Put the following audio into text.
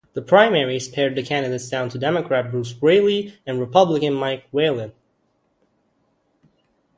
The primaries pared the candidates down to Democrat Bruce Braley and Republican Mike Whalen.